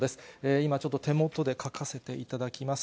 今、ちょっと手元で書かせていただきます。